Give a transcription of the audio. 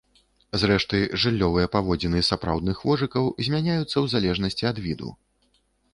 Зрэшты, жыллёвыя паводзіны сапраўдных вожыкаў змяняюцца ў залежнасці ад віду.